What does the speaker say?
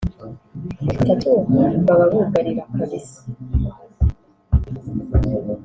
Batatu baba bugarira kabisa